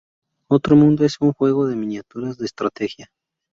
Otro mundo es un juego de miniaturas de estrategia.